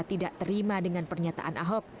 tidak terima dengan pernyataan ahok